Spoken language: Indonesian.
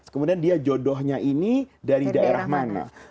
kemudian dia jodohnya ini dari daerah mana